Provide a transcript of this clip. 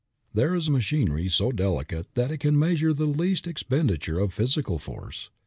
There is machinery so delicate that it can measure the least expenditure of physical force.